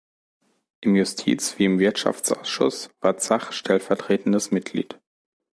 Im Justiz- wie im Wirtschaftsausschuss war Zach stellvertretendes Mitglied.